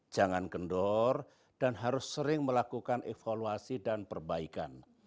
jangan kendor dan harus sering melakukan evaluasi dan perbaikan